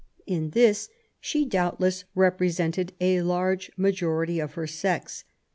In this she doubt less represented a large majority of her sex.